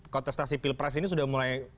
kontestasi pilpres ini sudah mulai